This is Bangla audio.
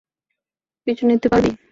পিছু নিতে পারবি?